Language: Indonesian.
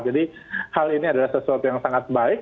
jadi hal ini adalah sesuatu yang sangat baik